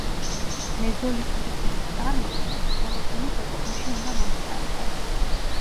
მეზოლითური ფენის წარმოქმნა ჰოლოცენის ეპოქაში უნდა მომხდარიყო.